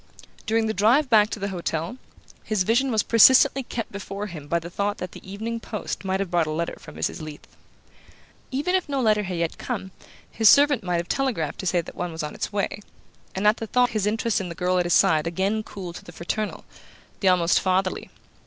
During the drive back to the hotel this vision was persistently kept before him by the thought that the evening post might have brought a letter from Mrs. Leath. Even if no letter had yet come, his servant might have telegraphed to say that one was on its way; and at the thought his interest in the girl at his side again cooled to the fraternal, the almost fatherly.